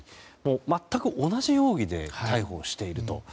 全く同じ容疑で逮捕していると。